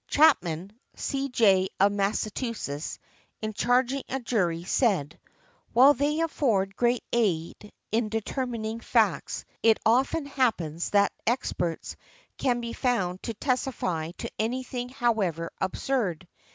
Chapman, C.J., of Massachusetts, in charging a jury said, "While they afford great aid in determining facts, it often happens that experts can be found to testify to anything however absurd" .